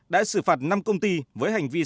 đã xử phạt năm công ty với hành vi